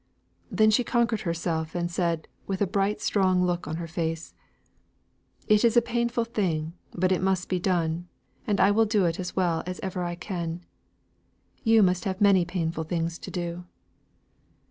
Then she conquered herself, and said, with a bright strong look on her face: "It is a painful thing, but it must be done, and I will do it as well as ever I can. You must have many painful things to do."